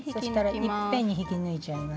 いっぺんに引き抜いちゃいます？